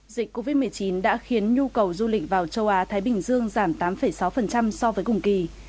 dịch covid một mươi chín đã khiến nhu cầu du lịch vào châu á thái bình dương giảm tám sáu so với cùng kỳ